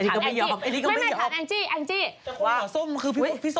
ถามอันจี้